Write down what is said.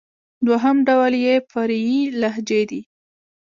دوهم ډول ئې فرعي لهجې دئ.